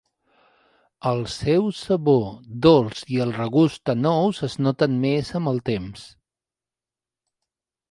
El seu sabor dolç i el regust a nous es noten més amb el temps.